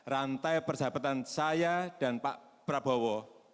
rantai persahabatan saya dan pak prabowo